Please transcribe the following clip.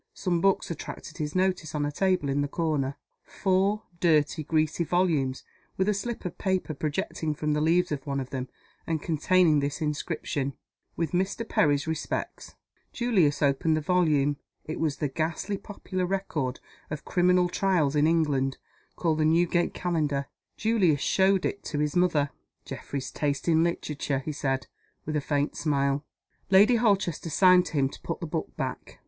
Some books attracted his notice on a table in the corner four dirty, greasy volumes, with a slip of paper projecting from the leaves of one of them, and containing this inscription, "With Mr. Perry's respects." Julius opened the volume. It was the ghastly popular record of Criminal Trials in England, called the Newgate Calendar. Julius showed it to his mother. "Geoffrey's taste in literature!" he said, with a faint smile. Lady Holchester signed to him to put the book back.